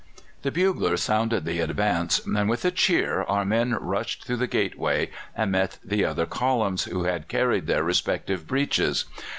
] The bugler sounded the advance, and with a cheer our men rushed through the gateway, and met the other columns, who had carried their respective breaches.